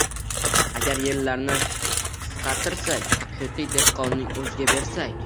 Agar yerlarni qisqartirsak, haqiqiy dehqonning o‘ziga bersak